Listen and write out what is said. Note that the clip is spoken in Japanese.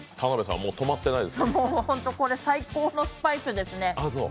これ最高のスパイスですね。